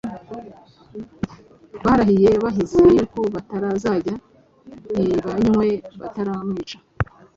barahiye bahize yuko batazarya ntibanywe bataramwica;